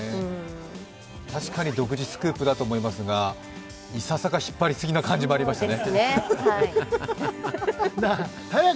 確かに独自スクープかと思いますがいささか引っ張りすぎな感じもありましたね。